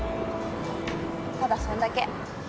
ただそんだけ。